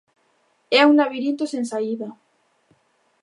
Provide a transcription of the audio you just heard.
É un labirinto sen saída.